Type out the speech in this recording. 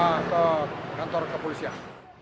bawa ke kantor kepolisian